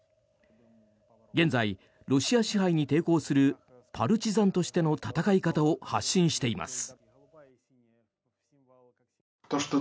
現在、ロシア支配に抵抗するパルチザンとしての戦い方を発信しています。